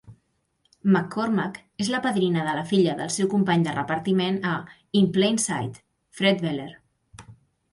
McCormack és la padrina de la filla del seu company de repartiment a "In Plain Sight", Fred Weller.